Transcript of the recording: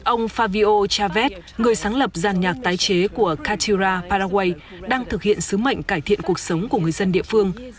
ông favio chavez người sáng lập dàn nhạc tái chế của katira paraguay đang thực hiện sứ mệnh cải thiện cuộc sống của người dân địa phương